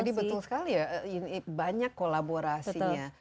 jadi betul sekali ya banyak kolaborasinya